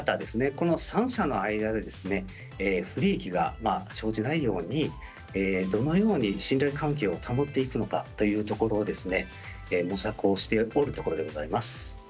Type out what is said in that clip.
この３者の間で不利益が生じないようにどのように信頼関係を保っていくのかというところを模索をしておるところでございます。